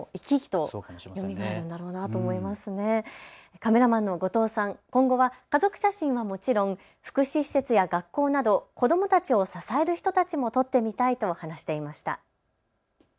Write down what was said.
カメラマンの後藤さん、今後は家族写真はもちろん福祉施設や学校など子どもたちを支える人たちも撮ってみたいと話していました。